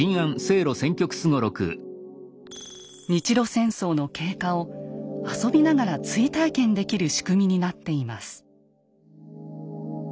日露戦争の経過を遊びながら追体験できる仕組みになっています。